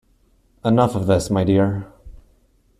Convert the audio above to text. Enough of this, my dear!